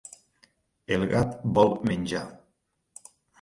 El gat vol menjar.